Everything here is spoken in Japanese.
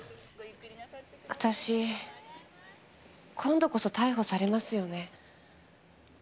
私今度こそ逮捕されますよね？